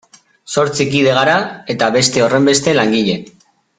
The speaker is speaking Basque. Zortzi kide gara eta beste horrenbeste langile.